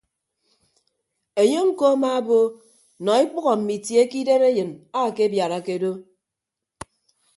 Enye ñko amaabo nọ ekpәho mme itie ke idem enyin akebiarake do.